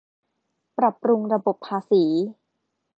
ปรับปรุงระบบภาษี